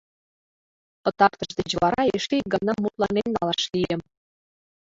Пытартыш деч вара эше ик гана мутланен налаш лийым.